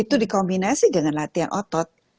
itu dikombinasi dengan latihan otot